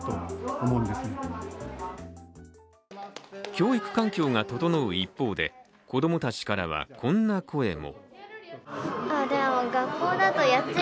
教育環境が整う一方で、子供たちからはこんな声も。